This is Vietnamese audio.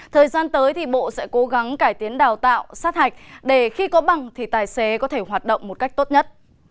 thời gian tới thì bộ sẽ cố gắng cải tiến đào tạo sát hạch để khi có bằng thì tài xế có thể hoạt động một cách tốt nhất